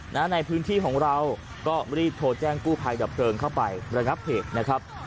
ในพื้นที่ของเราก็รีบโทรแจ้งกู้ภัยดับเพลิงเข้าไประงับเหตุนะครับ